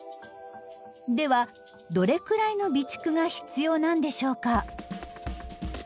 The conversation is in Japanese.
ではどれくらいの備蓄が必要なんでしょうか。